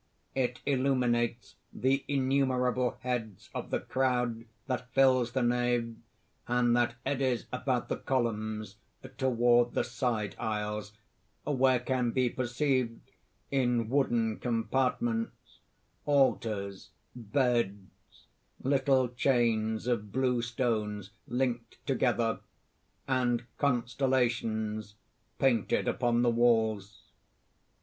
It illuminates the innumerable heads of the crowd that fills the nave, and that eddies about the columns toward the side aisles where can be perceived, in wooden compartments, altars, beds, little chains of blue stones linked together, and constellations painted upon the walls.